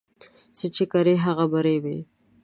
څه چي کرې، هغه به رېبې.